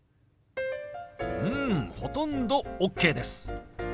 うんほとんどＯＫです。